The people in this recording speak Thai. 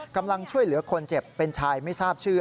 กำลังช่วยเหลือคนเจ็บเป็นชายไม่ทราบชื่อ